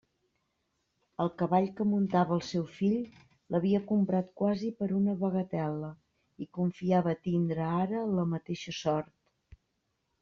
El cavall que muntava el seu fill l'havia comprat quasi per una bagatel·la, i confiava tindre ara la mateixa sort.